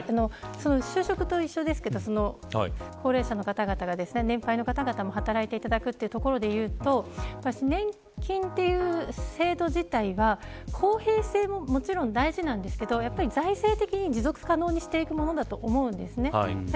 就職と一緒ですけど高齢者の方々が年配の方々も働いていただくということで言うと年金という制度自体は公平性ももちろん大事なんですけどやっぱり財政的に持続可能にしていくものだと思うんですね。